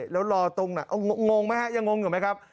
แล้วรอตรงไหนงงไหมฮะยังงงอยู่ไหมครับ